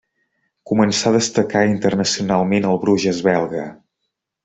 Començà a destacar internacionalment al Bruges belga.